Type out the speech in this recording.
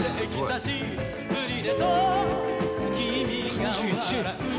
「３１！？」